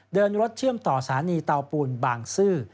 เดินรถเชื่อมต่อสถานีเตาปูนบางซื่อ